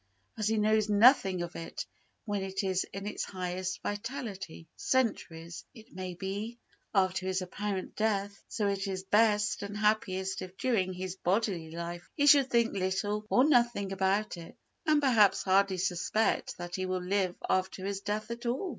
As he knows nothing of it when it is in its highest vitality, centuries, it may be, after his apparent death, so it is best and happiest if during his bodily life he should think little or nothing about it and perhaps hardly suspect that he will live after his death at all.